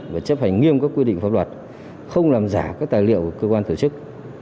và chấp hành nghiêm các quy định pháp luật không làm giả các tài liệu của cơ quan tổ chức